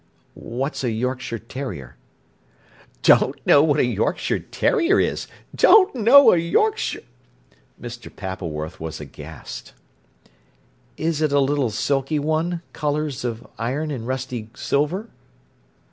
"What's a Yorkshire terrier?" "Don't know what a Yorkshire terrier is? Don't know a Yorkshire—" Mr. Pappleworth was aghast. "Is it a little silky one—colours of iron and rusty silver?"